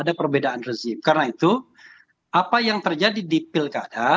apa yang terjadi di pilkada